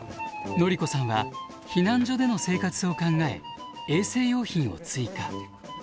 のりこさんは避難所での生活を考え衛生用品を追加。